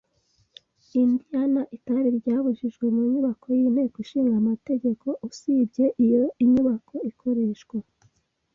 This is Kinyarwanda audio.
Indiana itabi ryabujijwe mu nyubako yinteko ishinga amategeko usibye iyo Inyubako ikoreshwa